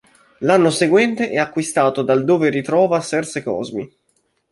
L'anno seguente è acquistato dal dove ritrova Serse Cosmi.